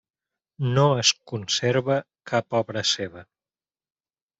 No es conserva cap obra seva.